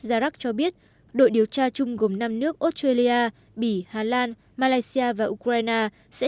iraq cho biết đội điều tra chung gồm năm nước australia bỉ hà lan malaysia và ukraine sẽ